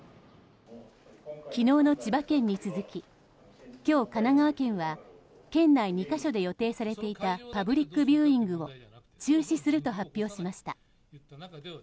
昨日の千葉県に続き今日、神奈川県は県内２か所で予定されていたパブリックビューイングを中止すると発表しました。